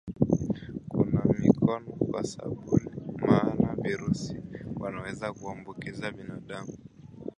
Kunawa mikono kwa sabuni maana virusi wanaweza kuambukiza binadamu